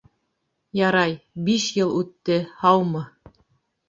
Ярай, биш йыл үтте, һаумы!